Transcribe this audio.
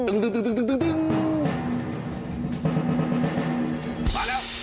มาแล้ว